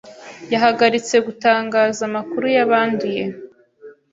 yahagaritse gutangaza amakuru y’abanduye